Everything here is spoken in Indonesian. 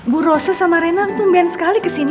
bu rose sama rena tuh main sekali kesini